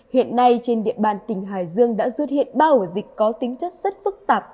hiện nay trên địa bàn tỉnh hải dương đã xuất hiện ba ổ dịch có tính chất rất phức tạp